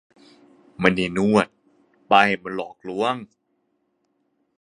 ไม่ได้นวด ป้ายมันหลอกลวงงง